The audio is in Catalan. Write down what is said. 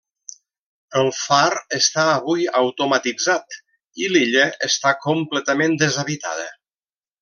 El far està avui automatitzat, i l'illa està completament deshabitada.